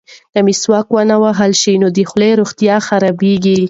که مسواک ونه وهل شي نو د خولې روغتیا خرابیږي.